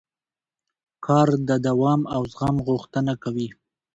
کار د دوام او زغم غوښتنه کوي